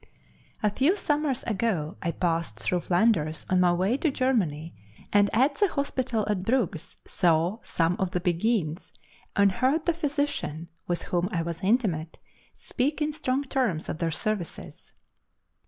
A few summers ago I passed through Flanders on my way to Germany, and at the hospital at Bruges saw some of the Beguines, and heard the physician, with whom I was intimate, speak in strong terms of their services.